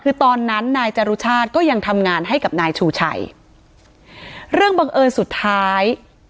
คือตอนนั้นนายจรุชาติก็ยังทำงานให้กับนายชูชัยเรื่องบังเอิญสุดท้าย